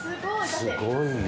すごいよ。